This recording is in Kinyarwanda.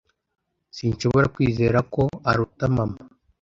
Sinshobora kwizera ko aruta mama.